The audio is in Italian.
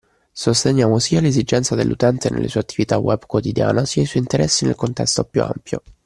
Sosteniamo sia le esigenze dell’utente nella sua attività web quotidiana sia i suoi interessi nel contesto più ampio